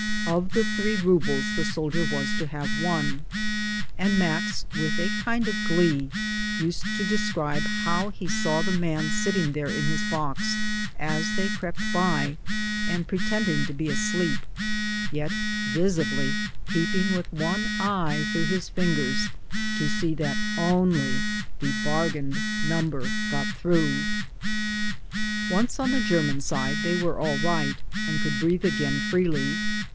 Of the three roubles the soldier was to have one. And Max with a kind of glee used to describe how he saw the man sitting there in his box as they crept by, and pretending to be asleep, yet visibly peeping with one eye through his fingers to see that only the bargained number got through. Once on the German side they were all right, and could breathe again freely.